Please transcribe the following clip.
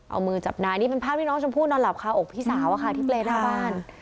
เอามือจับนายนี่เป็นภาพที่น้องชมพู่นอนหลับคาอกพี่สาวอะค่ะที่เปรย์หน้าบ้าน